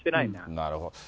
なるほど。